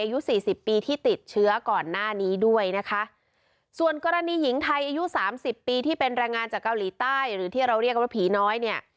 อายุสี่สิบปีที่ติดเชื้อก่อนหน้านี้ด้วยนะคะส่วนกรณีหญิงไทยอายุสามสิบปีที่เป็นแรงงานจากเกาหลีใต้หรือที่เราเรียกว่าผีน้อยเนี่ย